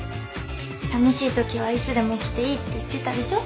寂しいときはいつでも来ていいって言ってたでしょ？